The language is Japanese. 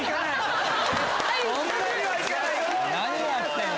何やってんの？